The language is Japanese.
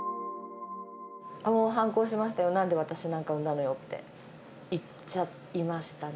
もう、反抗しましたよ、なんで私なんか産んだのよって、言っちゃいましたね。